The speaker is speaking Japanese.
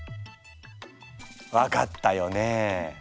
分かったよね？